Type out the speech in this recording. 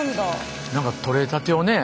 何か取れたてをね